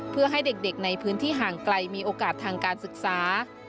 เพื่อให้เด็กในพื้นที่ห่างไกลมีโอกาสทางการศึกษา